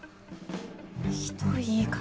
ひどい言い方。